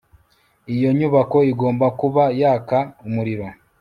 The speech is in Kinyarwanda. iyo nyubako igomba kuba yaka umuriro